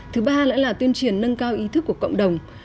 thứ ba nữa là tuyên truyền nâng cao ý thức của cộng đồng